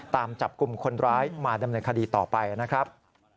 ตามจับกลุ่มคนร้ายมาดำเนินคดีต่อไปนะครับ